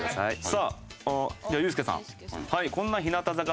さあじゃあユースケさん。